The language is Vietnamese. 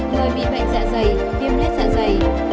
người bị bệnh dạ dày viêm lét dạ dày